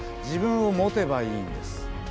自分を持てばいいんです。